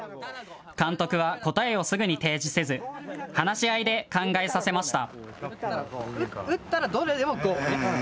監督は答えをすぐに提示せず話し合いで考えさせました。